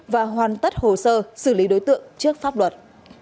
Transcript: và hoàn tất hồ sơ xử lý đối tượng trước pháp luật